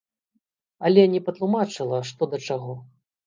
Але не патлумачыла, што да чаго.